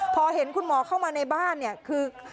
พอเห็นคุณหมอเข้ามาในบ้านเนี่ยคือ